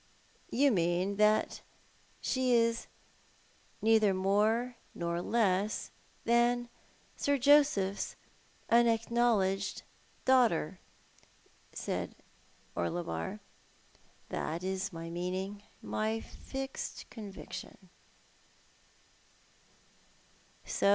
" You mean that she is neither more nor less than Sir Joseph's unacknowledged daughter," said Orlebar. "That is my meaning — and my fixed conviction."